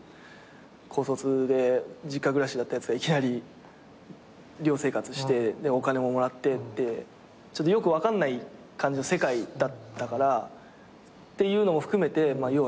高卒で実家暮らしだったやつがいきなり寮生活してお金ももらってってちょっとよく分かんない感じの世界だったからっていうのも含めて要は自信がなかったですね。